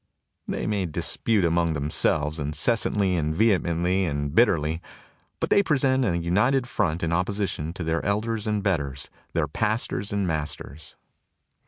They may dispute among themselves inces santly and vehemently and bitterly; but they present a united front in opposition to their elders and betters, their pastors and masters.